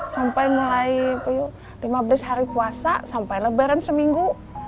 sampai mulai lima belas hari puasa sampai lebaran seminggu